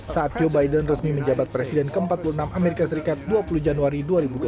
saat joe biden resmi menjabat presiden ke empat puluh enam amerika serikat dua puluh januari dua ribu dua puluh